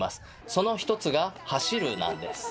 その一つが「走る」なんです。